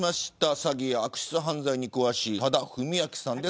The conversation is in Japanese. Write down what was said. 詐欺や悪質犯罪に詳しい多田文明さんです。